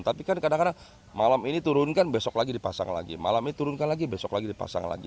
tapi kan kadang kadang malam ini turunkan besok lagi dipasang lagi malam ini turunkan lagi besok lagi dipasang lagi